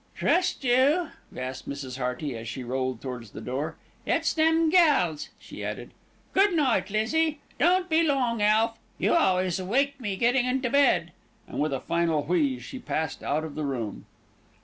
"Trust you," gasped Mrs. Hearty, as she rolled towards the door. "It's them gals," she added. "Good night, Lizzie. Don't be long, Alf. You always wake me getting into bed," and, with a final wheeze, she passed out of the room.